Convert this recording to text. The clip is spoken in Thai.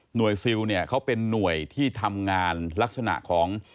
ซิลเนี่ยเขาเป็นหน่วยที่ทำงานลักษณะของ